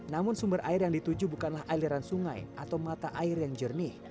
namun sumber air yang dituju bukanlah aliran sungai atau mata air yang jernih